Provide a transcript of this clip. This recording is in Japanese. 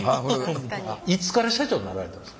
いつから社長になられたんですか？